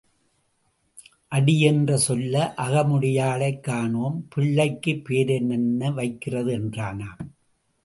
அடி என்று சொல்ல அகமுடையாளைக் காணோம் பிள்ளைக்குப் பேர் என்ன வைக்கிறது என்றானாம்.